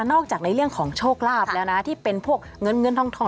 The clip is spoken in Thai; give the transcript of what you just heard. อกจากในเรื่องของโชคลาภแล้วนะที่เป็นพวกเงินเงินทอง